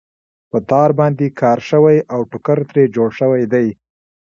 په تار باندې کار شوی او ټوکر ترې جوړ شوی دی.